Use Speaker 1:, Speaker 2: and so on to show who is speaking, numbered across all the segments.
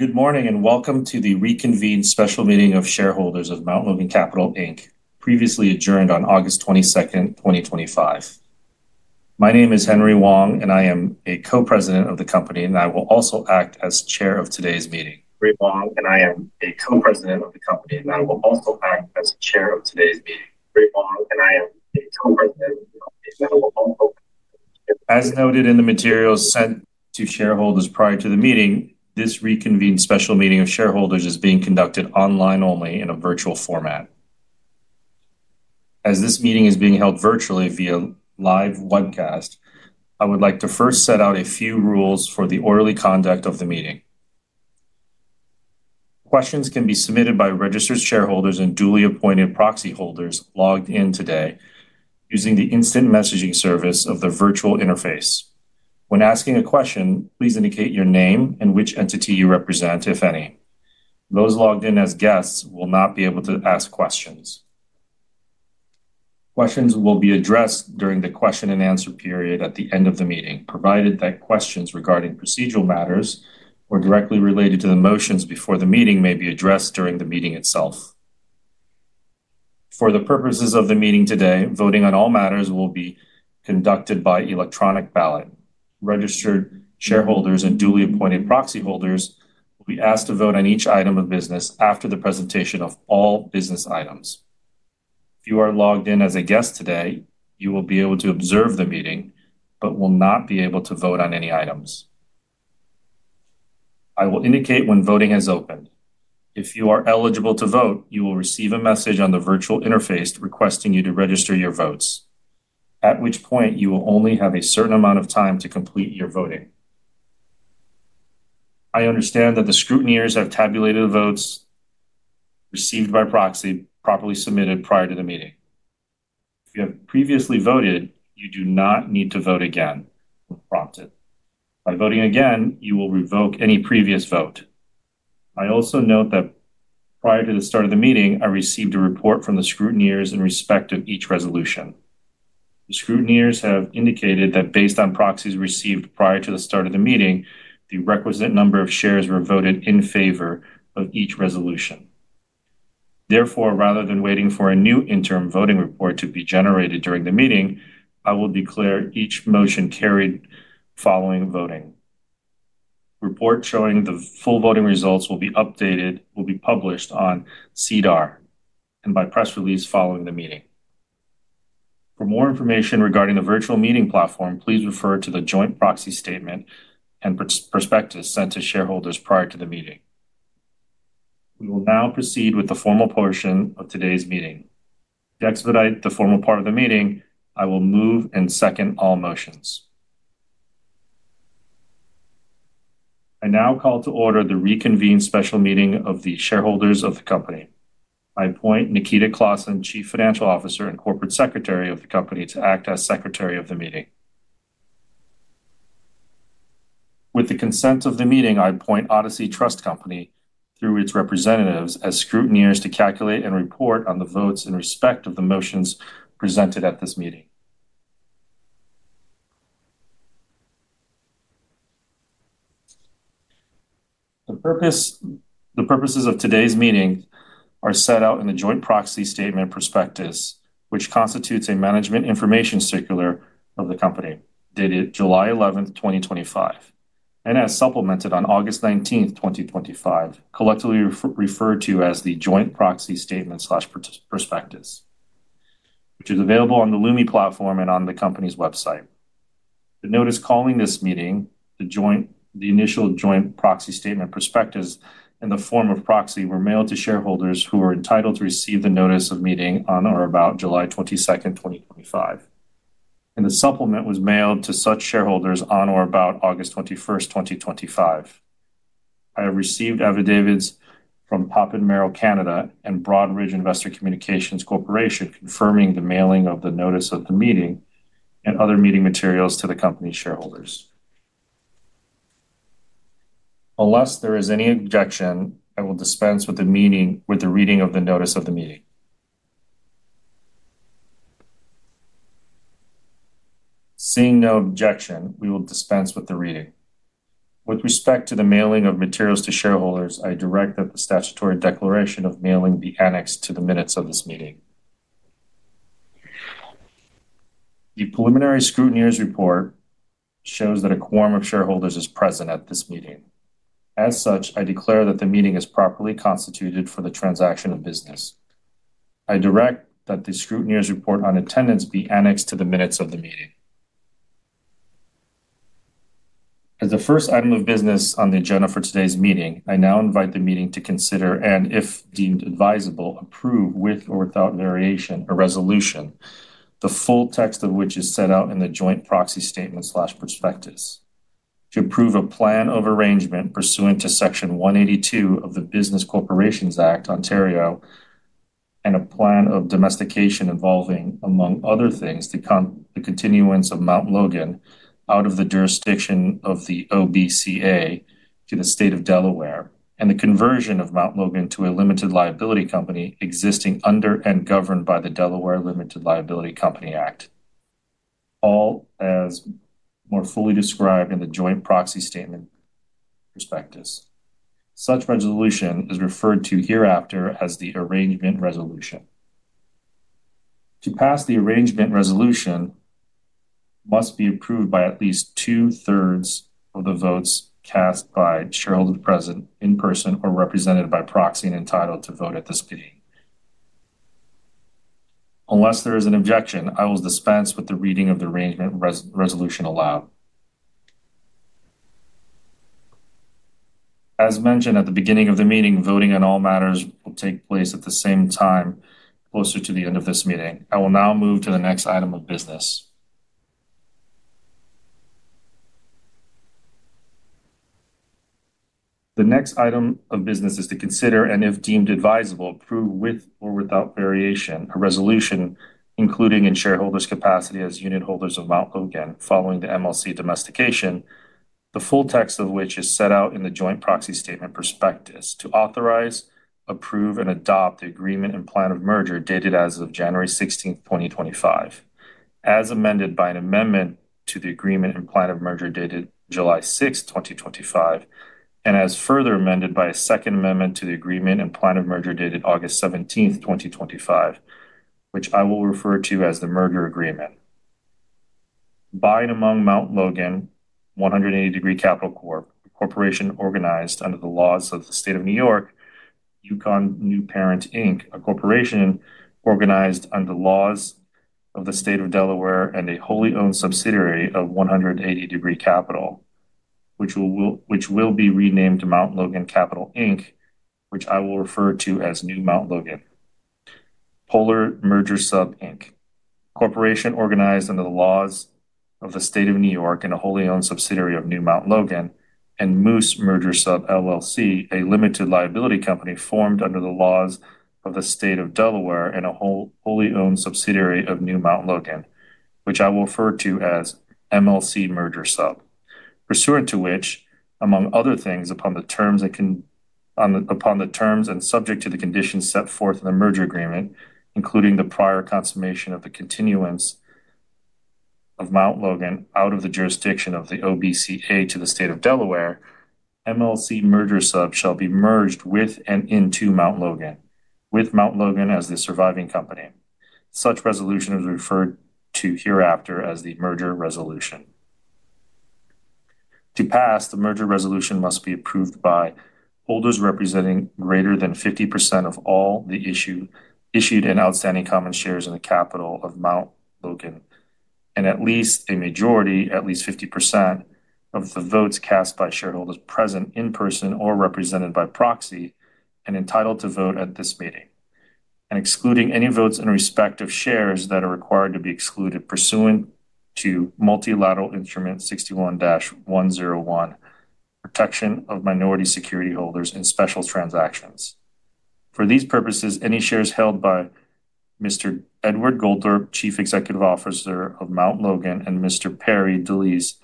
Speaker 1: Good morning and welcome to the Reconvened Special Meeting of Shareholders of Mount Logan Capital Inc., previously adjourned on August 22nd, 2025. My name is Henry Wang, and I am a Co-President of the company, and I will also act as Chair of today's meeting. As noted in the materials sent to shareholders prior to the meeting, this reconvened special meeting of shareholders is being conducted online only in a virtual format. As this meeting is being held virtually via live webcast, I would like to first set out a few rules for the orderly conduct of the meeting. Questions can be submitted by registered shareholders and duly appointed proxy holders logged in today using the instant messaging service of the virtual interface. When asking a question, please indicate your name and which entity you represent, if any. Those logged in as guests will not be able to ask questions. Questions will be addressed during the question and answer period at the end of the meeting, provided that questions regarding procedural matters or directly related to the motions before the meeting may be addressed during the meeting itself. For the purposes of the meeting today, voting on all matters will be conducted by electronic ballot. Registered shareholders and duly appointed proxy holders, we ask to vote on each item of business after the presentation of all business items. If you are logged in as a guest today, you will be able to observe the meeting, but will not be able to vote on any items. I will indicate when voting has opened. If you are eligible to vote, you will receive a message on the virtual interface requesting you to register your votes, at which point you will only have a certain amount of time to complete your voting. I understand that the scrutineers have tabulated votes received by proxy properly submitted prior to the meeting. If you have previously voted, you do not need to vote again or prompt it. By voting again, you will revoke any previous vote. I also note that prior to the start of the meeting, I received a report from the scrutineers in respect of each resolution. The scrutineers have indicated that based on proxies received prior to the start of the meeting, the requisite number of shares were voted in favor of each resolution. Therefore, rather than waiting for a new interim voting report to be generated during the meeting, I will declare each motion carried following voting. Reports showing the full voting results will be updated, will be published on SEDAR and by press release following the meeting. For more information regarding the virtual meeting platform, please refer to the joint proxy statement/prospectus sent to shareholders prior to the meeting. We will now proceed with the formal portion of today's meeting. To expedite the formal part of the meeting, I will move and second all motions. I now call to order the reconvened special meeting of the shareholders of the company. I appoint Nikita Klassen, Chief Financial Officer and Corporate Secretary of the company, to act as Secretary of the meeting. With the consent of the meeting, I appoint Odyssey Trust Company through its representatives as scrutineers to calculate and report on the votes in respect of the motions presented at this meeting. The purposes of today's meeting are set out in the joint proxy statement/prospectus, which constitutes a management information circular of the company dated July 11th, 2025, and as supplemented on August 19th, 2025, collectively referred to as the joint proxy statement/prospectus, which is available on the Lumi platform and on the company's website. The notice calling this meeting, the initial joint proxy statement/prospectus, and the form of proxy were mailed to shareholders who were entitled to receive the notice of meeting on or about July 22nd, 2025. The supplement was mailed to such shareholders on or about August 21st, 2025. I have received affidavits from Poppin Merrill Canada and Broadridge Investor Communications Corporation confirming the mailing of the notice of the meeting and other meeting materials to the company shareholders. Unless there is any objection, I will dispense with the reading of the notice of the meeting. Seeing no objection, we will dispense with the reading. With respect to the mailing of materials to shareholders, I direct that the statutory declaration of mailing be annexed to the minutes of this meeting. The preliminary scrutineers' report shows that a quorum of shareholders is present at this meeting. As such, I declare that the meeting is properly constituted for the transaction of business. I direct that the scrutineers' report on attendance be annexed to the minutes of the meeting. As the first item of business on the agenda for today's meeting, I now invite the meeting to consider and, if deemed advisable, approve with or without variation a resolution, the full text of which is set out in the joint proxy statement/prospectus. To approve a plan of arrangement pursuant to Section 182 of the Business Corporations Act (Ontario), and a plan of domestication involving, among other things, the continuance of Mount Logan out of the jurisdiction of the OBCA to the state of Delaware, and the conversion of Mount Logan to a limited liability company existing under and governed by the Delaware Limited Liability Company Act, all as more fully described in the joint proxy statement/prospectus. Such resolution is referred to hereafter as the arrangement resolution. To pass, the arrangement resolution must be approved by at least two-thirds of the votes cast by shareholders present in person or represented by proxy and entitled to vote at this meeting. Unless there is an objection, I will dispense with the reading of the arrangement resolution aloud. As mentioned at the beginning of the meeting, voting on all matters will take place at the same time closer to the end of this meeting. I will now move to the next item of business. The next item of business is to consider and, if deemed advisable, approve with or without variation a resolution, including in shareholders' capacity as unitholders of Mount Logan following the MLC domestication, the full text of which is set out in the joint proxy statement/prospectus, to authorize, approve, and adopt the Agreement and Plan of Merger dated as of January 16th, 2025, as amended by an amendment to the Agreement and Plan of Merger dated July 6th, 2025, and as further amended by a second amendment to the Agreement and Plan of Merger dated August 17th, 2025, which I will refer to as the merger agreement. By and among Mount Logan, 180 Degree Capital Corp., a corporation organized under the laws of the state of New York, Yukon New Parent Inc., a corporation organized under the laws of the state of Delaware and a wholly owned subsidiary of 180 Degree Capital, which will be renamed to Mount Logan Capital Inc., which I will refer to as New Mount Logan. Polar Merger Sub Inc., a corporation organized under the laws of the state of New York and a wholly owned subsidiary of New Mount Logan, and Moose Merger Sub LLC, a limited liability company formed under the laws of the state of Delaware and a wholly owned subsidiary of New Mount Logan, which I will refer to as MLC Merger Sub. Pursuant to which, among other things, upon the terms and subject to the conditions set forth in the merger agreement, including the prior consummation of the continuance of Mount Logan out of the jurisdiction of the OBCA to the state of Delaware, MLC Merger Sub shall be merged with and into Mount Logan, with Mount Logan as the surviving company. Such resolution is referred to hereafter as the merger resolution. To pass, the merger resolution must be approved by holders representing greater than 50% of all the issued and outstanding common shares in the capital of Mount Logan, and at least a majority, at least 50% of the votes cast by shareholders present in person or represented by proxy and entitled to vote at this meeting, and excluding any votes in respect of shares that are required to be excluded pursuant to Multilateral Instrument 61-101, protection of minority security holders in special transactions. For these purposes, any shares held by Mr. Edward Goldthorpe, Chief Executive Officer of Mount Logan, and Mr. Perry Delease,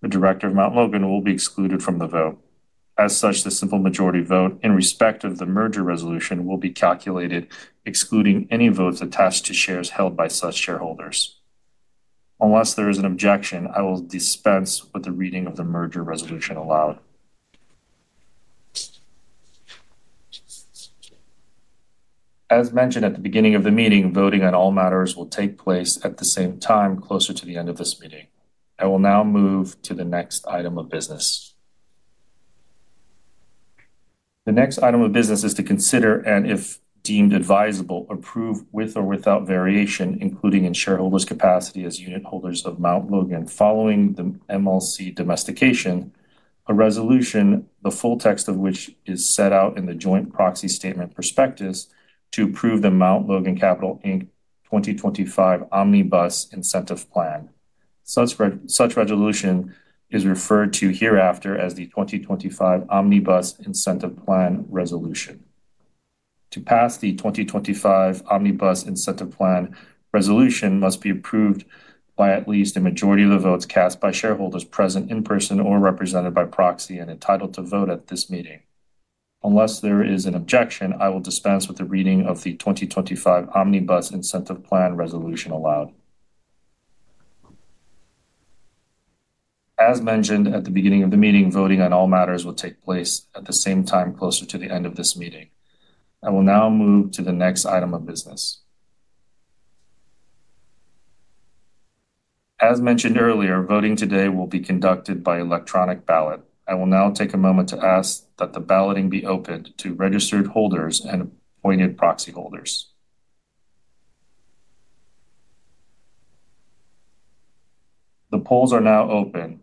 Speaker 1: the Director of Mount Logan, will be excluded from the vote. As such, the simple majority vote in respect of the merger resolution will be calculated, excluding any votes attached to shares held by such shareholders. Unless there is an objection, I will dispense with the reading of the merger resolution aloud. As mentioned at the beginning of the meeting, voting on all matters will take place at the same time closer to the end of this meeting. I will now move to the next item of business. The next item of business is to consider and, if deemed advisable, approve with or without variation, including in shareholders' capacity as unit holders of Mount Logan following the MLC domestication, a resolution, the full text of which is set out in the joint proxy statement/prospectus, to approve the Mount Logan Capital Inc. 2025 Omnibus Incentive Plan. Such resolution is referred to hereafter as the 2025 Omnibus Incentive Plan resolution. To pass the Mount Logan Capital Inc. 2025 Omnibus Incentive Plan resolution, it must be approved by at least a majority of the votes cast by shareholders present in person or represented by proxy and entitled to vote at this meeting. Unless there is an objection, I will dispense with the reading of the 2025 Omnibus Incentive Plan resolution aloud. As mentioned at the beginning of the meeting, voting on all matters will take place at the same time closer to the end of this meeting. I will now move to the next item of business. As mentioned earlier, voting today will be conducted by electronic ballot. I will now take a moment to ask that the balloting be opened to registered holders and appointed proxy holders. The polls are now open,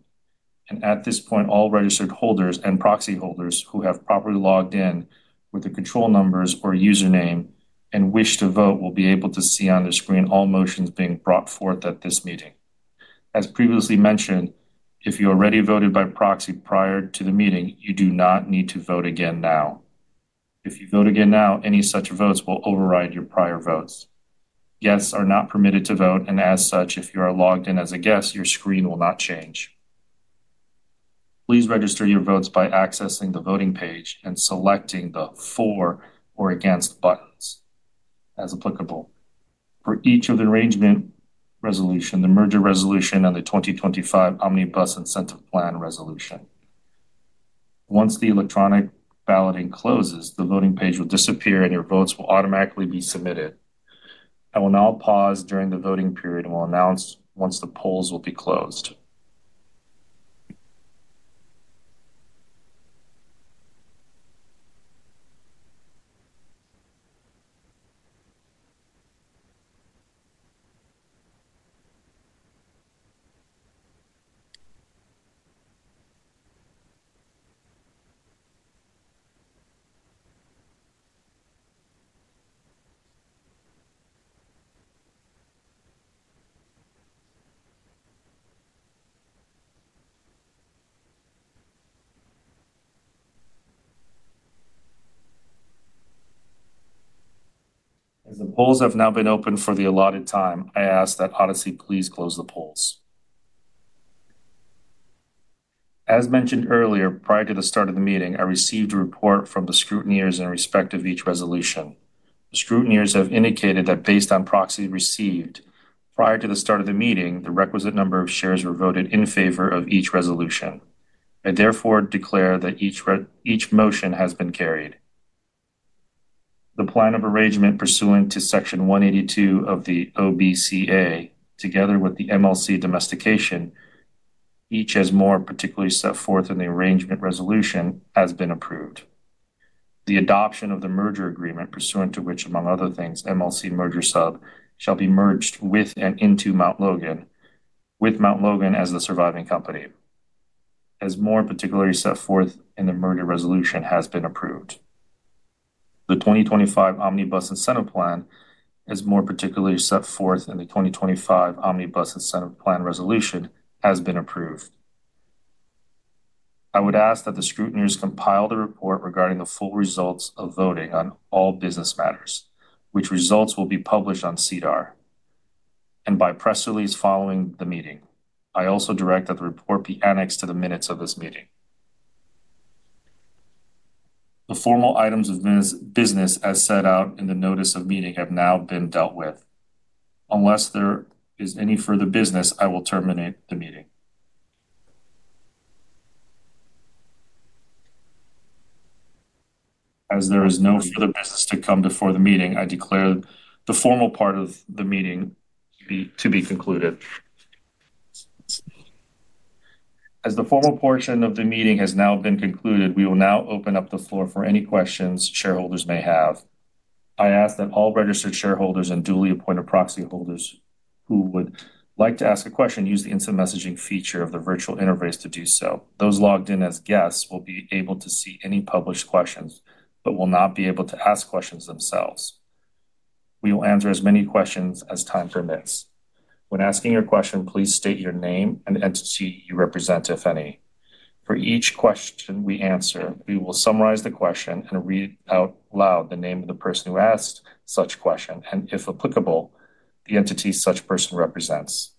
Speaker 1: and at this point, all registered holders and proxy holders who have properly logged in with the control numbers or username and wish to vote will be able to see on the screen all motions being brought forth at this meeting. As previously mentioned, if you already voted by proxy prior to the meeting, you do not need to vote again now. If you vote again now, any such votes will override your prior votes. Guests are not permitted to vote, and as such, if you are logged in as a guest, your screen will not change. Please register your votes by accessing the voting page and selecting the for or against buttons, as applicable, for each of the arrangement resolution, the merger resolution, and the 2025 Omnibus Incentive Plan resolution. Once the electronic balloting closes, the voting page will disappear and your votes will automatically be submitted. I will now pause during the voting period and will announce once the polls will be closed. Polls have now been opened for the allotted time. I ask that Odyssey please close the polls. As mentioned earlier, prior to the start of the meeting, I received a report from the scrutineers in respect of each resolution. The scrutineers have indicated that based on proxy received prior to the start of the meeting, the requisite number of shares were voted in favor of each resolution. I therefore declare that each motion has been carried. The plan of arrangement pursuant to Section 182 of the OBCA, together with the MLC domestication, each as more particularly set forth in the arrangement resolution, has been approved. The adoption of the merger agreement pursuant to which, among other things, MLC Merger Sub shall be merged with and into Mount Logan, with Mount Logan as the surviving company, as more particularly set forth in the merger resolution, has been approved. The 2025 Omnibus Incentive Plan, as more particularly set forth in the 2025 Omnibus Incentive Plan resolution, has been approved. I would ask that the scrutineers compile the report regarding the full results of voting on all business matters, which results will be published on SEDAR and by press release following the meeting. I also direct that the report be annexed to the minutes of this meeting. The formal items of business, as set out in the notice of meeting, have now been dealt with. Unless there is any further business, I will terminate the meeting. As there is no further business to come before the meeting, I declare the formal part of the meeting to be concluded. As the formal portion of the meeting has now been concluded, we will now open up the floor for any questions shareholders may have. I ask that all registered shareholders and duly appointed proxy holders who would like to ask a question use the instant messaging feature of the virtual interface to do so. Those logged in as guests will be able to see any published questions, but will not be able to ask questions themselves. We will answer as many questions as time permits. When asking your question, please state your name and entity you represent, if any. For each question we answer, we will summarize the question and read out loud the name of the person who asked such a question and, if applicable, the entity such person represents.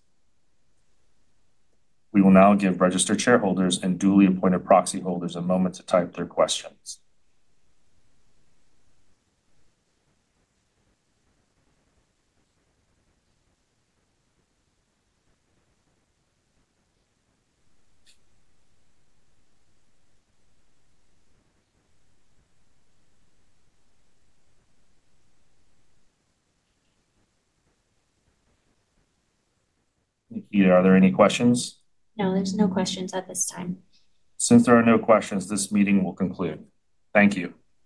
Speaker 1: We will now give registered shareholders and duly appointed proxy holders a moment to type their questions. Are there any questions?
Speaker 2: No, there's no questions at this time.
Speaker 1: Since there are no questions, this meeting will conclude. Thank you.